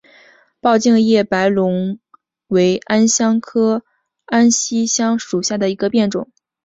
抱茎叶白花龙为安息香科安息香属下的一个变种。